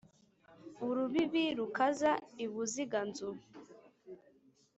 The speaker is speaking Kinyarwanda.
Urubibi rukaba i Buziga-nzu.